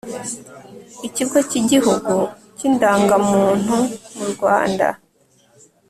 Ikigo cy Igihugu cy Indangamuntu mu Rwanda